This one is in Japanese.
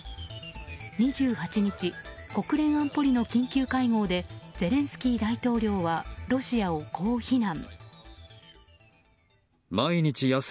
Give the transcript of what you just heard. ２８日、国連安保理の緊急会合でゼレンスキー大統領はロシアをこう非難。